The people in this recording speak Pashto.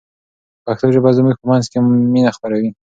پښتو ژبه زموږ په منځ کې مینه خپروي.